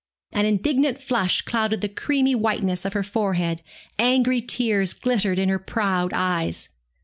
An indignant flush clouded the creamy whiteness of her forehead, angry tears glittered in her proud eyes.